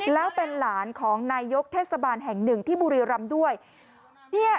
แล้วเป็นหลานของนายกเทศบาลแห่งหนึ่งที่บุรีรำด้วยเนี่ย